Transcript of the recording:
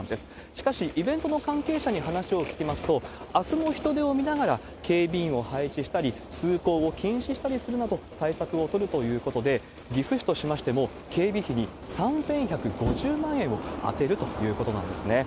しかし、イベントの関係者に話を聞きますと、あすの人出を見ながら警備員を配置したり、通行を禁止したりするなど、対策を取るということで、岐阜市としましても、警備費に３１５０万円を充てるということなんですね。